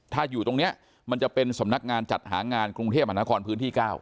ถ้าอยู่ตรงนี้มันจะเป็นสำนักงานจัดหางานกรุงเทพมหานครพื้นที่๙